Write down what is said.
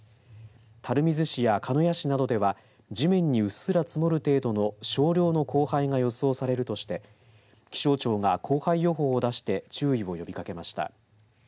垂水市や鹿屋市などでは地面にうっすら積もる程度の少量の降灰が予想されるとして気象庁が降灰予報を出して注意を呼びかけました。